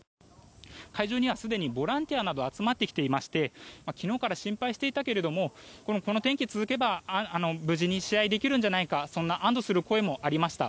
会場にはすでにボランティアなどが集まってきていまして昨日から心配していたけれどもこの天気が続けば無事に試合ができるんじゃないかそんな安どする声もありました。